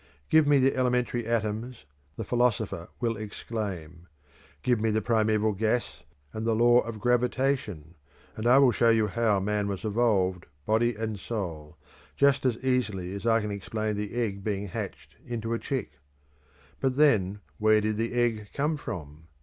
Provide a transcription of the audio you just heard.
Give me the elementary atoms, the philosopher will exclaim; give me the primeval gas and the law of gravitation, and I will show you how man was evolved, body and soul, just as easily as I can explain the egg being hatched into a chick. But, then, where did the egg come from?